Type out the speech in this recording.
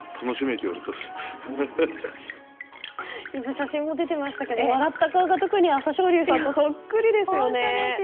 写真も出ていましたが笑った顔が特に朝青龍さんとそっくりですよね。